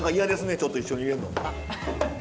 ちょっと一緒に入れるの。